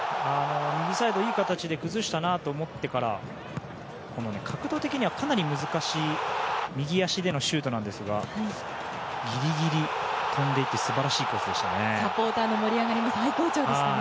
右サイド、いい形で崩したなと思ってから角度的にはかなり難しい右足でのシュートなんですがギリギリ飛んで行って素晴らしいコースでしたね。